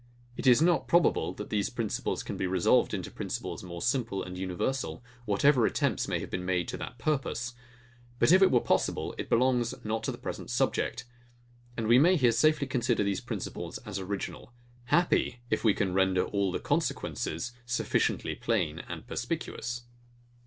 It is not probable, that these principles can be resolved into principles more simple and universal, whatever attempts may have been made to that purpose. But if it were possible, it belongs not to the present subject; and we may here safely consider these principles as original; happy, if we can render all the consequences sufficiently plain and perspicuous!